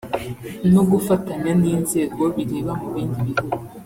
no gufatanya n’inzego bireba mu bindi bihugu